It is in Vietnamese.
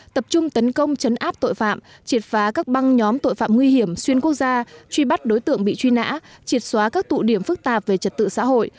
tập trung tấn công chấn áp tội phạm triệt phá các băng nhóm tội phạm nguy hiểm xuyên quốc gia truy bắt đối tượng bị truy nã triệt xóa các tụ điểm phức tạp về trật tự xã hội